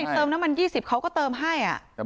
เติมน้ำมัน๒๐เขาก็เติมให้